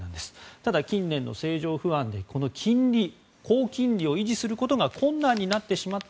ただ、近年の政情不安で高金利を維持することが困難になってしまった。